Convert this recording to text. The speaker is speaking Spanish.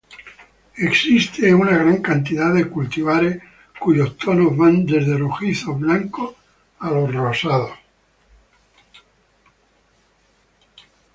Existe una gran cantidad de cultivares cuyos tonos van desde rojizos, blancos y rosados.